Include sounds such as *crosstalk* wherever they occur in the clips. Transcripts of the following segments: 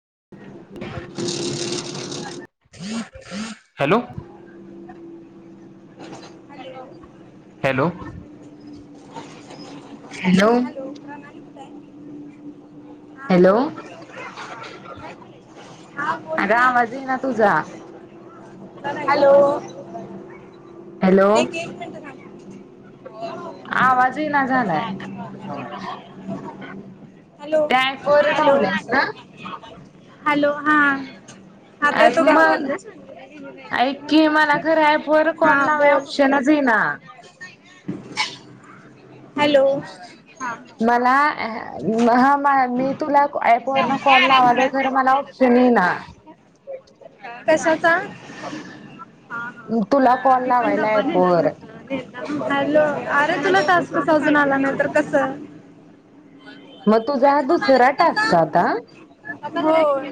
*unintelligible* Hello hello hello *unintelligible* hello thank you हा hello बोल अगं हा बोलकी आवाज येईना तुझा हॅलो हॅलो एक एक मिनट थांब आवाज येईना झालाय हॅलो त्या ऍपवर हॅलो लावल्यास ना हॅलो हा आता ऍप तू का मग ऐक की मला खरं ऍपवर हा *unintelligible* बोल ऑप्शनच इना हॅलो *unintelligible* हा *unintelligible* अँह् ह मी तुला ऍपवरन कॉल लावालोय, खर मला ऑप्शन इना त हा हा तुला *unintelligible* कॉल मी पण लावायला डब्बा हुत ऍपवर नेलता नव्हता, हॅलो अरे तुला टास्कच आजून आला नई तर कस मग तुझा हा दुसरा टास्क आता *unintelligible* बोल,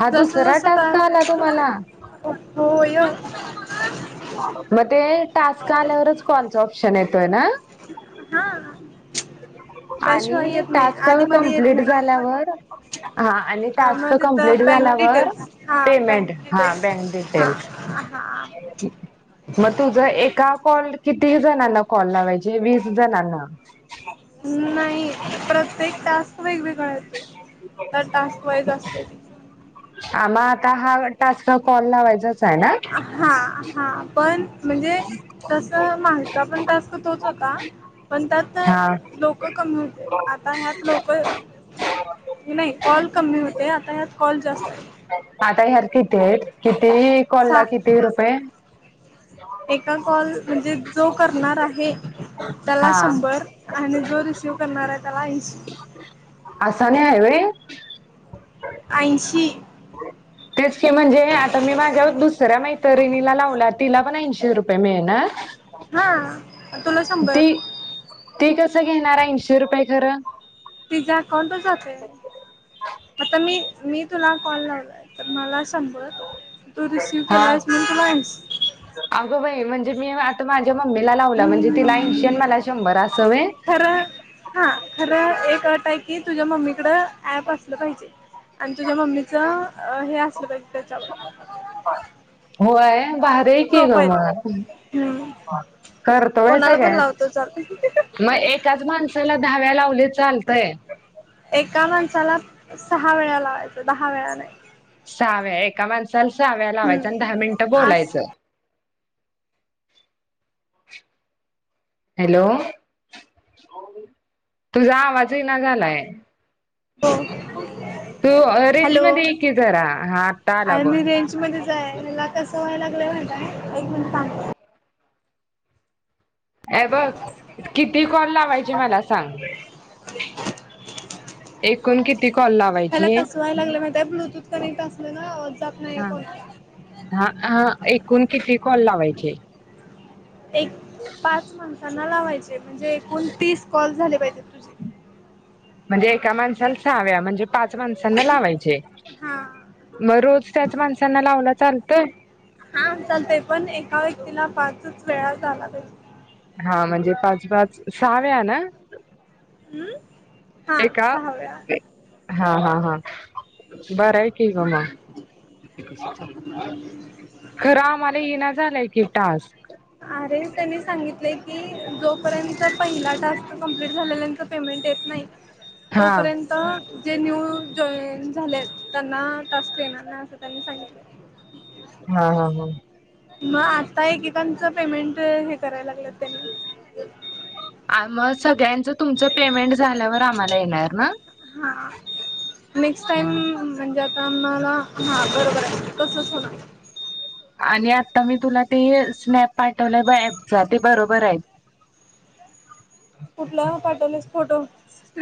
हा जस दुसरा जस का, टास्क आला तुम्हाला होय. मग ते टास्क आल्यावरच कॉलच ऑप्शन येत तोय ना हा. त्याशिवाय आणि येत नाही टास्क आधी मध्ये येत कंप्लीट नाही झाल्यावर आ आणि टास्क मग कंप्लीट तिथं बँक झाल्यावर डिटेल्स हा बँक पेमेंट हा डिटेल्स बँक हा डिटेल्स, हा मग तुझ एका कॉल कि ती जणांना कॉल लावायचे? वीस जणांना उन् नाही प्रत्येक टास्क वेगवेगळा येतोय. तर टास्क वाईज असतय ते आ म आता हा टास्क कॉल लावायचाच आहे ना अ हा. हा पण म्हणजे तस *unintelligible* पण टास् तो तोच होता. पण त्यात हा लोक कमी हू आता ह्या त लोक, नाही कॉल कमी होते आता यात कॉल जास्त आयत. आता ह्यात कीती हाईत? की ती कॉलला सा किती रुपये? एका कॉल म्हणजे जो करणार आहे त्याला हा शंभर आणि जो रिसिव्ह करणाराय त्याला ऐंशी असं नाही *unintelligible* ऐंशी तेच शे म्हणजे आता मी माझ्या दुसऱ्या मैत्रिणीला लावला, तिला पण ऐंशी ति रुपये मिळणार? हा अन तुला शंभर ते कसं घेणार ऐंशीे रुपये खरं तिजा कोणत जात ये, आता मी मी तुला कॉल लावला तर मला. शंभर तो रिसीव्ह हा केला आहे म्हणून तुला आहेस. अगं बाई म्हणजे मी आता मा मम्मीला लावला म्हणजे तिला ऐंशी आणि मला शंभर अस व्हय खरं हा खरं एक अट आहे की तुझ्या मम्मीकडं ॲप असलं पाहिजे आणि तुझ्या मम्मीचं हे असलं पाहिजे. ते चल. मतोय हम्म कोणाला पण सगळ लावतो चालतंय म एच माण *inaudible* दहा वेळा लावलय चालतय. एका माणसाला सहा वेळा लावायचं दहा वेळा नाही. सहा वेळा एका माणसाला सहा वेळा लावायच आणि दहा मिनटं हम्म आस बोलायचं. हॅलो तुझा आवाज येईना झालाय. हो तू रेंज हॅलो मध्ये एके जरा हा आता आला आणि बघ. म्हणत एक मिनट थांब. ए बघ किती कॉल लावायचे मला सांग एकूण किती कॉल हेला लावायचे? तसवाय लागलं माहित आहे ब्लूटूथ कनेक्ट असल ना जात नाही हा कोणाला हा हा एकूण किती कॉल लावायचे एक पाच माणसां - -ना लावायचे. म्हणजे एकूण तीस कॉल झाले पाहिजेत तुझे. म्हणजे एका माणसाला सहाव्या म्हणजे पाच माणसांना लावायचे हा मग रोज त्याच माणसांना लावला चालतोय. -क्तीला पाचच वेळा झाला पाहिजे. हा म्हणजे पाच पाच सहा वेळा ना हम्म हा एका सहा वेळा हा हा हा बर आहे की ग मग *unintelligible* झालंय की टास्क अरे त्यांनी सांगितले की जोपर्यंत पहिला टास्क कंप्लीट झाल्यानंतर पेमेंट येत नाही हा तोपर्यंत जे न्यू जॉईन झाले आहेत त्यांना टास्क येणार नाही असं त्यांनी सांगितलं. हा हा हा मग आता एकेकांचं पेमेंट हे करायला लागलं त्यांनी. आ मग सगळ्यांचं तुमचं पेमेंट झाल्यावर आम्हाला येणार ना. हा नेक्स्ट हा टाईम. जे आता आम्हाला हा बरोबर आहे तसच होणार.. आणि आता मी तुला ते स्नॅप पाठवलंय बघ ऍपचा ते बरोबर आहे. कुठला पाठवलेस फोटो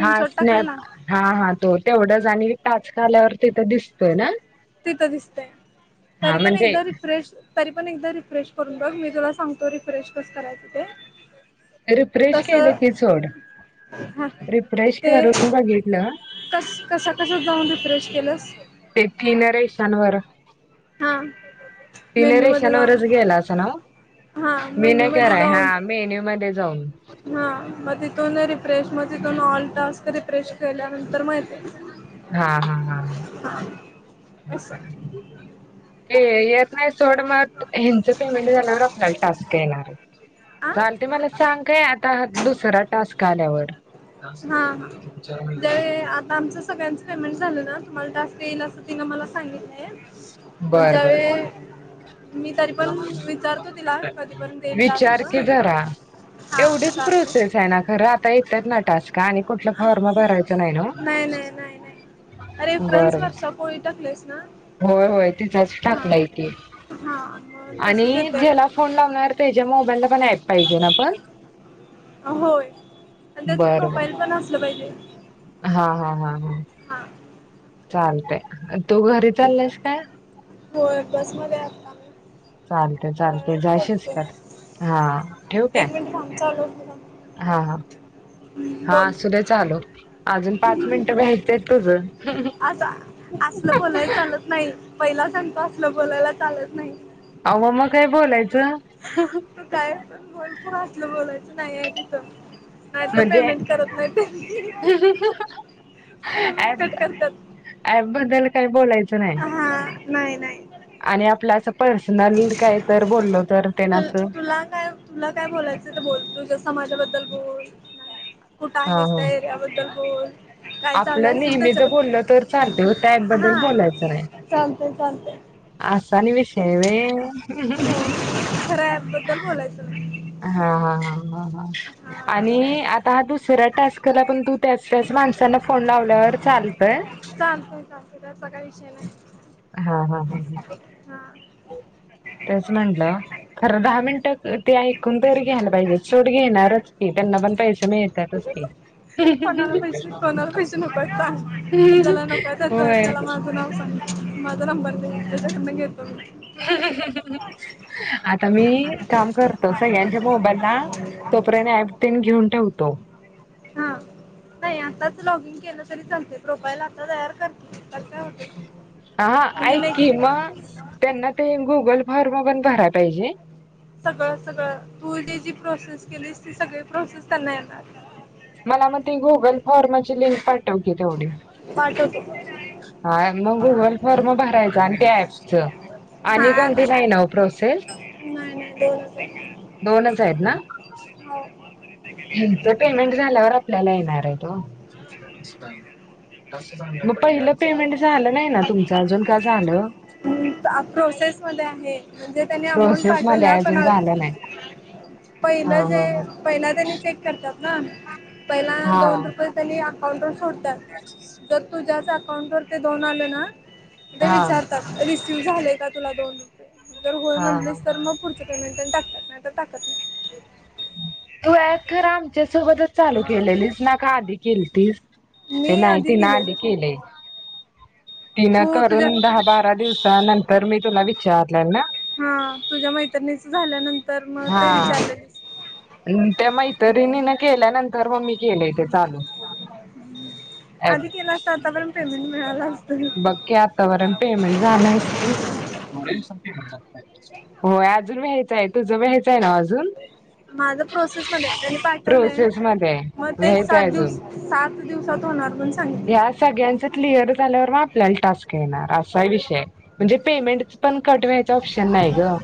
हा टाकलेला स्नॅप हा हा तो तेवढंचं आणि टास्क. आल्यावर तिथं दिसतोय ना. तिथं दिसतय. तरी हा पण म्हणजे एकदा रिफ्रेश तरी पण एकदा रिफ्रेश करून ब,. मी तुला सांगतो, रिफ्रेश कस करायचं ते. रिफ्रेश केलं तसं की चोड हा रिफ्रेश ते करून बघितलं. कस कस कसं जावून. रिफ्रेश केलंस. ते तीन रेशानवर. हा. तिने मेन्यू मध्ये जाऊन रेशनवरच गेला असं ना हा मी मेन्यू न मध्ये कराय, हा जाऊन मी मेनू मध्ये जाऊन. हा मग तिथून रिफ्रेश मग तिथून ऑल टास्क रिप्रेश केल्यानंतर माहिती हा हा हा. हा हम *unintelligible* असं आ नाही *unintelligible* ड म हच पेमेंट आपला टास्क येणार हा झाल मला सांग काय आता *unintelligible* खरा टास्क आल्यावर. हा चार म ज्यावेळी आता आमचं *unintelligible* सगळ्यांचं पेमेंट झालं ना तुम्हाला टास्क येईल, अस तिने मला सांगितलंय. बर बर मजे *unintelligible* कधीपर्यंत येईल विचार टास्क की जरा हा एवढीच चालतंय प्रोसेस आहे ना, खरं आता येतात ना. टास्क का आणि कुठला फॉर्मा भरायच नाही नाही नाही नाही नव्ह बर. रेफरन्स वर्षा पोळी टाकलेस ना होय होय तिचाच हां टाकलाय, ते हां मग तसंच आणि येतंय ज्याला फोन बघ लावणार त्याच्या मोबाईलला पण ऍप. पाहिजे ना पण. होय आणि त्याच बर बर प्रोफाईल पण असलं पाहिजे. हा हा हा हा. हा. चालतय *unintelligible* तु घरी चाललायस काय. होय बसमध्ये आहेत का. चालते चालते जायशस का हा ठेवक आहे एक मिनिट थांब चालू असू थांब हम्म, हा हा. हा बोल सुधय आलो. अजून पाच मिनिट भ्यायतुझ. असं असलं बोलायला चालत नाही पहिला सांगत असलं बोलायला चालत नाही. अहो मग काय बोलायचं. तू काय बोल. टलं बोलायचं नाहीय तिथं *unintelligible* नाही तर म्हणजे पेमेंट करत नाही, ते पेमेंट कट करतात. बदल काही. बोलाच नाही, हा नाही नाही आणि आपल अस ते ना तु असं तुला काय तुला काय बोलायचं ते बोल तुझ्या समाजाबद्दल. हो. कुठं हा आहेच हा तर याबद्दल. हो. आपलं नेहमी जर बोललं तर चालते त्याबद्दल बोलायचं नाही. ते चालतय. अ स नि विश्वा हेवे खऱ्या ॲप बद्दल बोलायचं नाही हा हा आणि आता हा दुसरा्या टास्कला पण तू त्याच त्याच माणसांना फोन लावल्यावर चालतय. कचा काही विषय नाही. हा हा हा हम. हा तेच म्हटलं खरं दहा मिनटं ते ऐकून तरी घ्यायला पाहिजे सोट घेणारच की त्यांना पण पैसे मिळतातच की कोणाला पैसे कोणाला पैसे नको आहेत सांग ज्याला नको आहे होय. त्याच त्याला माझं नाव सांग माझा नंबर दि त्याच्याकडन घेतो म. आता मी काम करतो सगळ्यांच्या मोबाईलला तोपर्यंत ऍपन घेऊन ठेवतो. हा री संगते प्रोफाईल आता तयार करते. तर काय होते हा म्हणजे ऐ क नेक्स्ट मग त्यांना ते गुगल फॉर्म पण भरा. पाहिजे. सगळं सगळं तू जी प्रोसेस केली ती सगळी प्रोसेस. त्यांना येणार. मला मग ते गुगल फॉर्माची लिंक पाठवते तेवढी. पाठवतो हा मग गुगल फॉर्म भरायचं आणि त्या ॲपच आणि कोणती नाही ना प्रोसेस? नाही दोन दोनच आहेत ना? हे तर पेमेंट झाल्यावर आपल्याला येणार आहेत ओ. ् मग पहिलं पेमेंट झालं नाही ना तुमचं अजून का झालं? प्रोसेस मध्ये आहे म्हणजे त्यांनी अमाऊंट प्रोसेस मध्ये पाठवलं पण अजून झालं नाही. हा पहिलं जे हा पहिला त्यांनी. चेक करतात. ह पहिला हा दोन रुपये झाली. हो दुस *unintelligible* तुझ्याच अकाउंट वर ते दोन आले ना? हा हा विचारत. झाले का तुला दोन? जर होय हा हा. म्हटलीस तर मग पुढच्या प टाकत नाही आ तर टाकत नाही. तू खर आमच्या सोबतच चालू केलेली. ना का आधी केली ती? ते मी नाहीतीि ना आधी केलेलं केले. तिन तू तुझ्या करून दहा बारा दिवसा नंतर मी तुला वि चार ना हा तुझ्या मैत्रिणीच झाल्यानंतर मग ते हा विचारलेली त्या मैतरिणी ना केल्यानंतर मग मी केले चाल आधी केला असता आतापर्यंत पेमेंट मिळाला असत बघ आतापर्यंत पेमेंट झालं हो अजून घ्यायच आहे तू जण पण हेच आहे ना ज प्रोसेस मध्ये आहे त्यांनी पाठवले आहे मग ते व्हायचं सात आहे अजून दिवसात होणार सांगितले ह्या सगळ्यांच क्लिअर झालं आपल्याला टास्क येणार असा विषय आहे म्हणजे पमेंट च पण कट व्हायचं ऑपशन नाही ग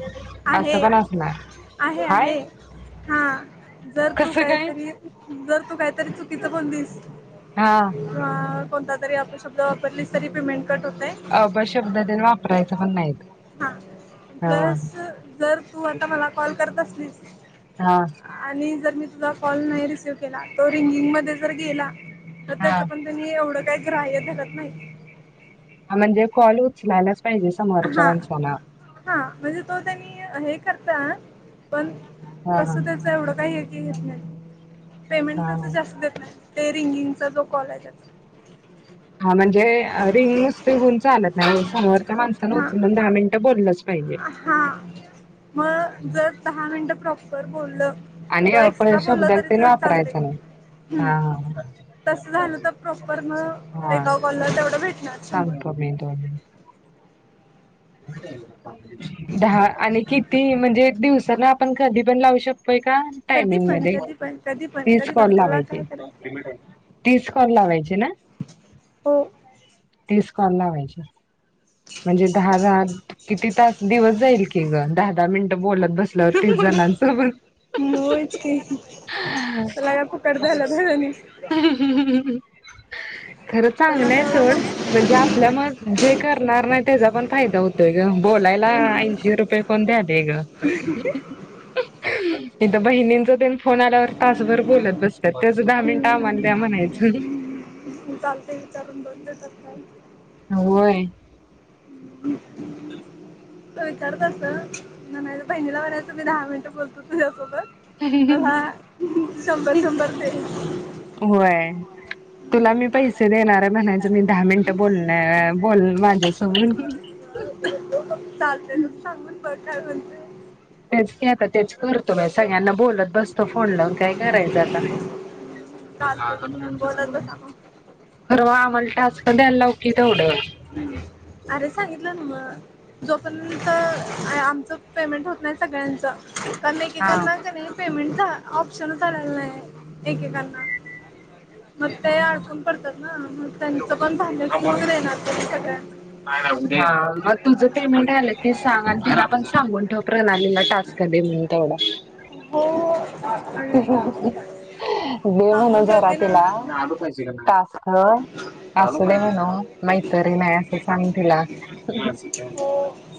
अस आहे पण असणार आहे हाय आहे हा जर तू कसं काय काहीतरी जर तू काहीतरी चुकीचं बोलीस हा हा कोणता तरी आपले शब्द वापरलीस तरी पेमें अ प शब्दातने वापरायचा पण नाहीत हा हा प्लस जर तू आता मला कॉल करत अस ह हा. आणि जर मी तुझा कॉल नाही रिसिव्ह केला तो रिंगिंग मध्ये जर गेला तर त्याच हा पण त एवढं तेच ग्राह्य धरत नाहीत म्हणजे कॉल उचलाल हा हा म्हणजे तो त्यांनी हे करता पण हा तस हा त्याच एवढं काही तेेत नाही पेमेंट तर तर हा. जास्त देत नाही ते सिंगिंगचा जो कॉल आहे हा म्हणजे रिंग नुसते होऊन चालत नाही समोरच्या माणसां उचल दहा मिनिटं बोललंच पाहिजे. हा मग जर दहा मिनटं प्रॉपर बोललं आणि किंवा आपण एक्स्ट्रा बोललं शब्दक तरी ते च चालते वापरायचं नाही हा तसं झालं तर प्रॉपर मग हा एका कॉलला तेवढं भेटणार शंभर सांगतो मीट दहा आणि किती म्हणजे दिवस तर ना आपण कधी पण लावू शकतो. कधी टायमिंग पण मध्ये कधी पण कधी पण तीस कधी कॉल पण तुला लावायचे काय करायचं तीस कॉल लावाय चे ना. हो तीस दहा कॉल लावायचे म्हणजे दहा दहा किती तास दिवस जाईल की ग दहा दहा मिनट बोलत. बसल्यावर तीस जणांसोबत. व्हय च की तुला काय फुकट द्यालयात व्हय ते नी. *unintelligible* खरं चांगलंय हाय सोड मग म्हणजे आपल्या म जे करणार नाही त्याचा पण फायदा होतोय ग बोलायला ऐंशी रुपये कोण द्यालय ग. बहीण न ते फोन आल्यावर तासभर बोलत बस तेच दहा मिनिट आम्हाला द्या म्हणायचं. हम्म चालते विचारून बघ देतात होय. तु विचार तसं नाही बहिणीला म्हणायच मी दहा मिनिटं बोलतो तुझ्यासोबत. असं शंभर शंभर ते. होय तुला मी पैसे देणार आहे म्हणायच मी दहा मिनट बोलण्या बोल माझ्यासोबत. चालते य तस सांगून बग. काय म्हणते? तेच आता तेच करतो सगळ्यांना बोलत बसतो फोन लावून काय करायचं आता. चालते बोलत बसा मग परवा आम्हाला टास्क द्यायला लाव की तेवढं. अरे सांगितलं ना जोपर्यंत आमचं पेमेंट होत नाही सगळ्यांचं पण हा एकेकांना क नी पेमेंटचा ऑप्शन चा आलेला नाही एकेकांना. मग ते आडकून पडतात ना. त्यांचं पण झालं की मग देणार तरी सगळ्याना. नाही नाही उद्या मग तुझं पेमेंट आलं ते सांग आणि तुला आपण सांगून ठेव प्रणालीला टास्क दे म्हणून तेवढा. हो. दे म्हण सांगून जरा ठेवते ना तिला टास्क. हो असू दे म्हणावं मैतरीन हाय असं सांग तिला. हो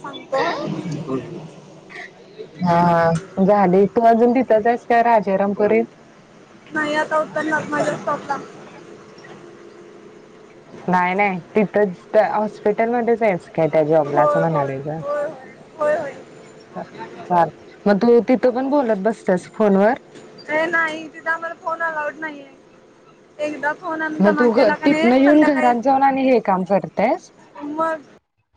सांगतो ह हा हा झाली तू अजून तिथच राजारामपुरीत. नाही आता उतरणार माझ्या स्टॉप ला. नाही नाही. तिथं हॉस्पिटलमध्येच जायच. काय त्या जॉबला असं होय होय म्हणालय का होय होय होय चा मग तू तिथं पण बोलत बसतस फोन वर. होय ए नाही एकदम. मग तू तिथनं येऊन घरात जाऊन आणि हे काम करतेस. मग